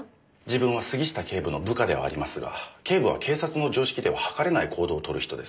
自分は杉下警部の部下ではありますが警部は警察の常識では計れない行動をとる人です。